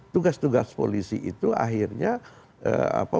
tugas tugas polisi itu akhirnya apa